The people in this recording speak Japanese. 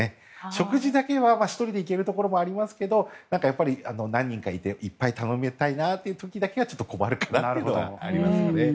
食事だけは１人で行けるところもありますけれどやっぱり何人かいていっぱい頼みたいなという時は困るなというのはありますね。